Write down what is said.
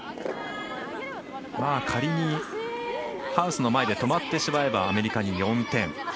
仮にハウスの前で止まってしまえばアメリカに４点。